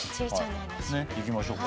いきましょうか。